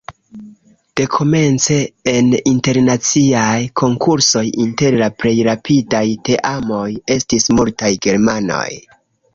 Dekomence en internaciaj konkursoj inter la plej rapidaj teamoj estis multaj germanoj.